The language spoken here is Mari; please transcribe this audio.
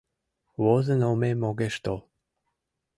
Возын омем огеш тол.